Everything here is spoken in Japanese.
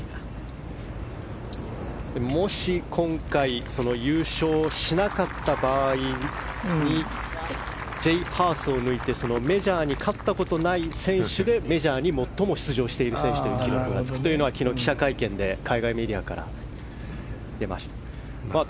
もし今回、優勝しなかった場合にジェイ・ハースを抜いてメジャーに勝ったことない選手でメジャーに最も出場している記録がつくというのは昨日、記者会見で海外メディアから出ました。